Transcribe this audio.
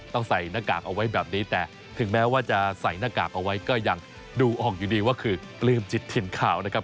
ใส่หน้ากากเอาไว้แบบนี้แต่ถึงแม้ว่าจะใส่หน้ากากเอาไว้ก็ยังดูออกอยู่ดีว่าคือปลื้มจิตถิ่นข่าวนะครับ